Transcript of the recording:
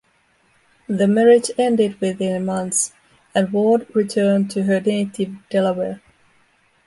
The marriage ended within months, and Ward returned to her native Delaware.